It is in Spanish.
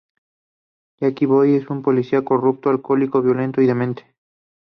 Jackie Boy es un policía corrupto, alcohólico, violento y demente.